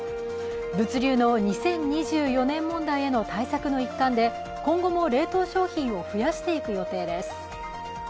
物流の２０２４年問題への対策の一環で今後も冷凍商品を増やしていく予定です。